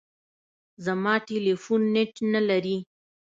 زما ټلیفون نېټ نه لري .